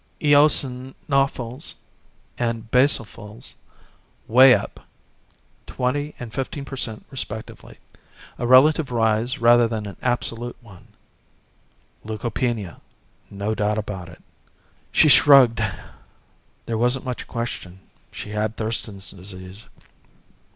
Eosinophils and basophils way up twenty and fifteen per cent respectively a relative rise rather than an absolute one leukopenia, no doubt about it. She shrugged. There wasn't much question. She had Thurston's Disease.